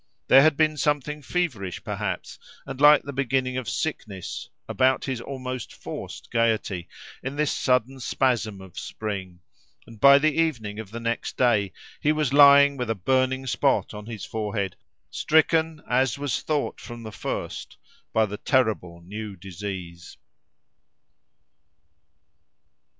There had been something feverish, perhaps, and like the beginning of sickness, about his almost forced gaiety, in this sudden spasm of spring; and by the evening of the next day he was lying with a burning spot on his forehead, stricken, as was thought from the first, by the terrible new disease.